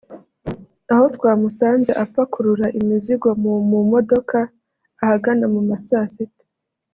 Aho twamusanze apakurura imizigo mu mudoka ahagana mu ma saa sita